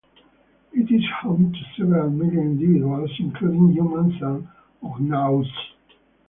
It is home to several million individuals, including humans and Ugnaughts.